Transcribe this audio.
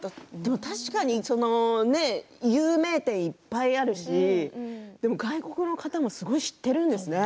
確かに有名店はいっぱいあるしでも外国の方もすごい知っているんですね。